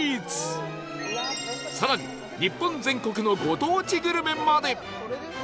更に日本全国のご当地グルメまで